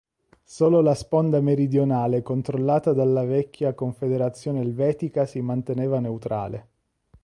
Solo la sponda meridionale controllata dalla Vecchia Confederazione Elvetica si manteneva neutrale.